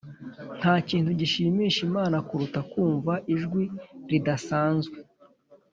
ntakintu gishimisha imana kuruta kumva ijwi ridasanzwe